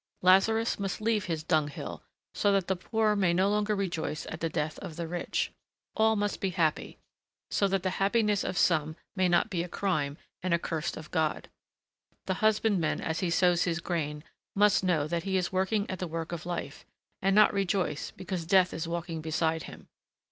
Lazarus must leave his dunghill, so that the poor may no longer rejoice at the death of the rich. All must be happy, so that the happiness of some may not be a crime and accursed of God. The husbandman as he sows his grain must know that he is working at the work of life, and not rejoice because Death is walking beside him.